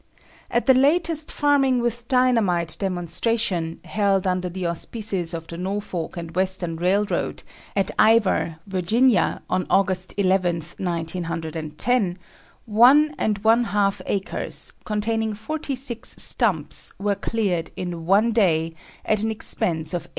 At the latest "Farming with Dynamite" demonstration, held under the auspices of the Norfolk and Western Railroad, at Ivor, Va., on August 11, 1910, one and one half acres, containing forty six stumps were cleared in one day, at an expense of $18.